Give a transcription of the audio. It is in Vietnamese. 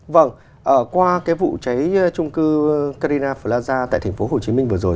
vâng qua cái vụ cháy chung cư carina plaza tại thành phố hồ chí minh vừa rồi